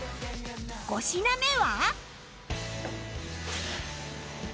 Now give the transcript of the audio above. ５品目は